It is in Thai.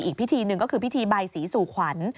อีกพิธีหนึ่งก็คือพิธีใบสีสู่ขวัญ